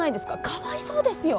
かわいそうですよ。